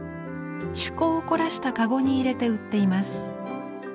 趣向を凝らしたかごに入れて売っています。